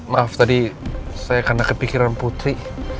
maaf tadi saya karena kepikiran putri